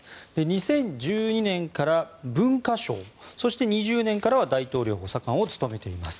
２０１２年から文化相そして、２０２０年からは大統領補佐官を務めています。